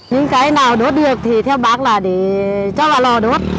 những cái nào đốt được thì theo bác là để cho là lò đốt